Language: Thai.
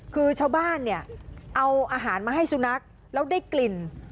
คือชาวบ้านเนี่ยเอาอาหารมาให้สุนัขแล้วได้กลิ่น